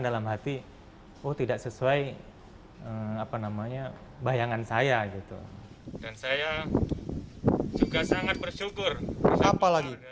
dalam hati oh tidak sesuai apa namanya bayangan saya gitu dan saya juga sangat bersyukur apalagi